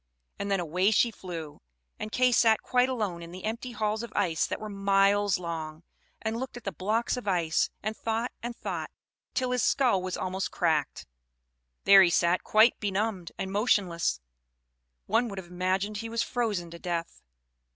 And then away she flew, and Kay sat quite alone in the empty halls of ice that were miles long, and looked at the blocks of ice, and thought and thought till his skull was almost cracked. There he sat quite benumbed and motionless; one would have imagined he was frozen to death.